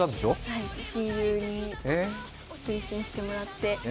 はい、親友に推薦してもらって。